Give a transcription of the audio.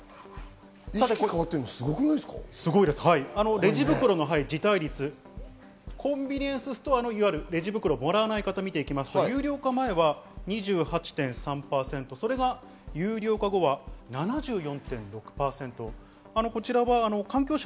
レジ袋の辞退率、コンビニエンスストアのレジ袋をもらわない方を見ていきますと有料化前は２８．３％だったのが、有料化後７４．６％です。